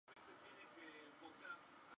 Juan Jorge se casó tres veces.